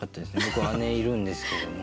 僕姉いるんですけども。